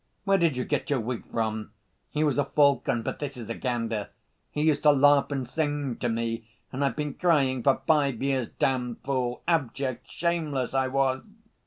Where did you get your wig from? He was a falcon, but this is a gander. He used to laugh and sing to me.... And I've been crying for five years, damned fool, abject, shameless I was!"